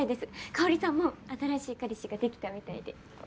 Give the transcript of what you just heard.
香さんも新しい彼氏ができたみたいで。